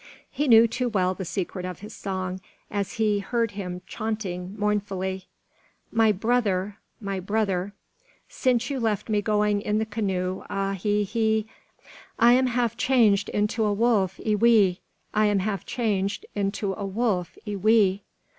He knew too well the secret of his song, as he heard him chaunting mournfully: "My brother! My brother! Since you left me going in the canoe, a hee ee, I am half changed into a wolf, E wee. I am half changed into a wolf, E wee."